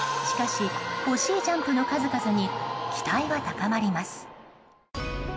しかし、惜しいジャンプの数々に期待は高まります。